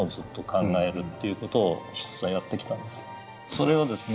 それをですね